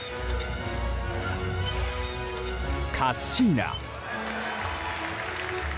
カッシーナ。